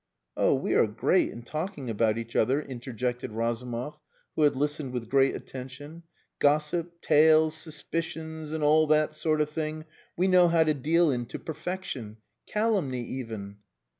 "Oh, we are great in talking about each other," interjected Razumov, who had listened with great attention. "Gossip, tales, suspicions, and all that sort of thing, we know how to deal in to perfection. Calumny, even."